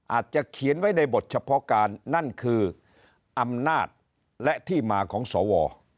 อาจจะเขียนไว้ในบทเฉพาะการนั่นคืออำนาจและที่มาของสว